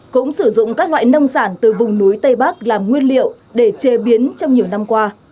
cũng sử dụng các loại nông sản từ vùng núi tây bắc làm nguyên liệu để chế biến trong nhiều năm qua